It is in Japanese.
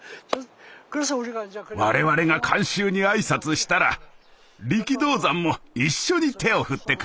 我々が観衆に挨拶したら力道山も一緒に手を振ってくれました。